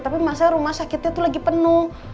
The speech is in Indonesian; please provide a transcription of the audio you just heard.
tapi rumah sakitnya tuh lagi penuh